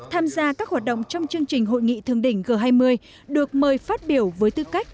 tham gia các hoạt động trong chương trình hội nghị thường đỉnh g hai mươi được mời phát biểu với tư cách